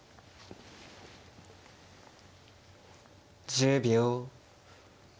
１０秒。